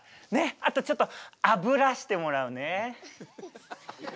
あとちょっとあぶらしてもらうね。